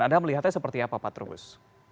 anda melihatnya seperti apa pak trubus